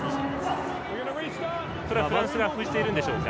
それはフランスが封じているんでしょうか？